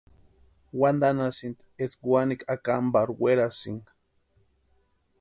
Wantanhasïni eska kawikwa akamparhu werasïnka.